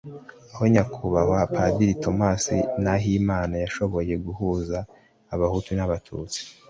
aho Nyakubahwa Padiri Thomas Nahimana yashoboye guhuza Abahutu n’Abatutsi